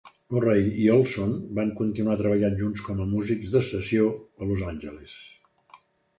Murray i Olsson van continuar treballant junts com a músics de sessió a Los Angeles.